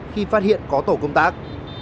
khi phát hiện có tổ công tác